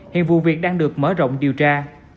hiện vụ việc đang được mở rộng điều tra